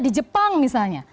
di jepang misalnya